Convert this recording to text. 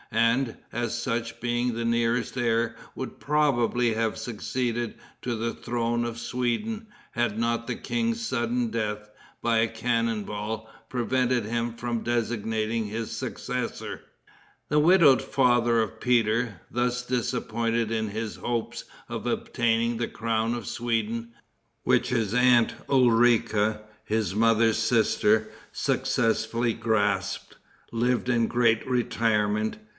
and, as such, being the nearest heir, would probably have succeeded to the throne of Sweden had not the king's sudden death, by a cannon ball, prevented him from designating his successor. The widowed father of Peter, thus disappointed in his hopes of obtaining the crown of Sweden, which his aunt Ulrica, his mother's sister, successfully grasped, lived in great retirement.